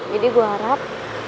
jadi gue harap